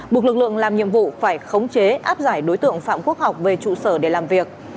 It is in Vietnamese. buộc lực lượng làm nhiệm vụ phải khống chế áp giải đối tượng phạm quốc học về trụ sở để làm việc